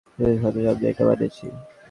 হ্যাঁ, ওর স্মৃতির সম্মানে আমি এটা বানিয়েছি।